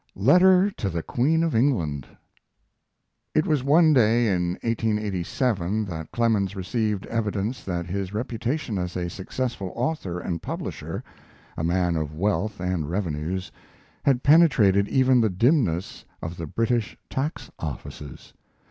LETTER TO THE QUEEN OF ENGLAND It was one day in 1887 that Clemens received evidence that his reputation as a successful author and publisher a man of wealth and revenues had penetrated even the dimness of the British Tax Offices.